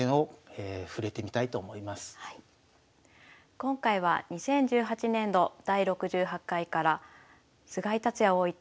今回は２０１８年度第６８回から菅井竜也王位対